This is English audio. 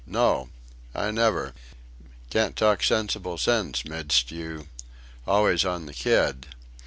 "No!... I never!... can't talk sensible sense midst you.... Always on the kid."